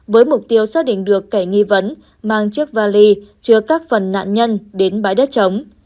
với mục tiêu xác định được kẻ nghi vấn mang chiếc vali chứa các phần nạn nhân đến bãi đất trống